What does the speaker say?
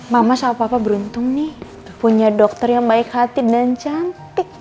mama sama papa beruntung nih punya dokter yang baik hati dan cantik